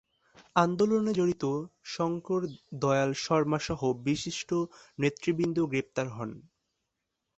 আন্দোলনে জড়িত শঙ্কর দয়াল শর্মা সহ বিশিষ্ট নেতৃবৃন্দ গ্রেফতার হন।